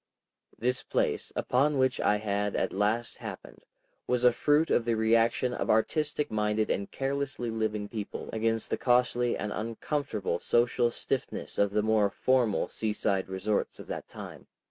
This place, upon which I had at last happened, was a fruit of the reaction of artistic minded and carelessly living people against the costly and uncomfortable social stiffness of the more formal seaside resorts of that time.